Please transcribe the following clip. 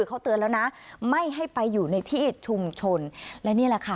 เขาเตือนแล้วนะไม่ให้ไปอยู่ในที่ชุมชนและนี่แหละค่ะ